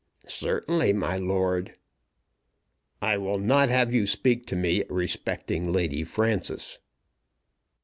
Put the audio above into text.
"Certainly, my lord." "I will not have you speak to me respecting Lady Frances."